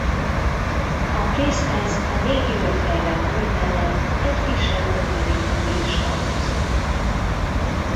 A kézhez a négy jól fejlett ujj mellett egy kisebb ötödik ujj is tartozott.